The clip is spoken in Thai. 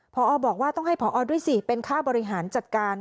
พอบอกว่าต้องให้พอด้วยสิเป็นค่าบริหารจัดการ